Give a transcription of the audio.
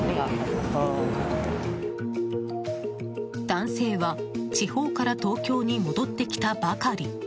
男性は地方から東京に戻ってきたばかり。